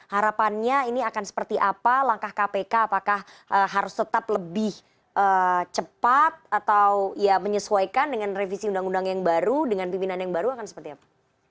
harapannya ini akan seperti apa langkah kpk apakah harus tetap lebih cepat atau ya menyesuaikan dengan revisi undang undang yang baru dengan pimpinan yang baru akan seperti apa